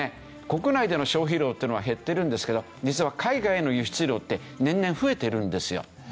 国内での消費量っていうのは減ってるんですけど実は海外への輸出量って年々増えてるんですよ。